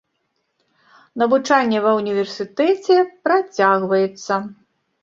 Навучанне ва ўніверсітэце працягваецца.